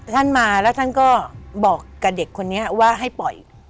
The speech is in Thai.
ท่านมาแล้วท่านก็บอกกับเด็กคนนี้ว่าให้ปล่อย